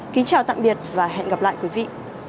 kính chào tạm biệt và hẹn gặp lại quý vị